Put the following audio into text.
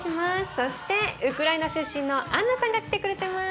そしてウクライナ出身のアンナさんが来てくれてます。